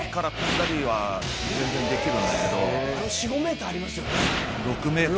あれ４５ｍありますよね。